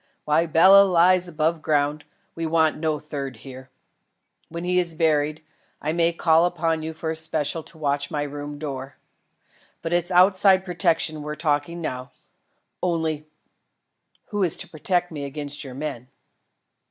While Bela lies above ground, we want no third here. When he is buried, I may call upon you for a special to watch my room door. But it's of outside protection we're talking now. Only, who is to protect me against your men?"